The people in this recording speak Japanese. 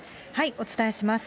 お伝えします。